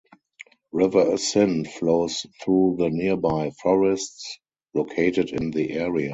River Sind flows through the nearby forests located in the area.